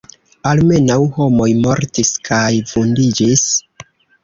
Almenaŭ homoj mortis kaj vundiĝis.